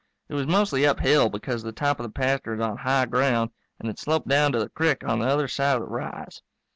It was mostly uphill because the top of the pasture is on high ground, and it sloped down to the crick on the other side of the rise.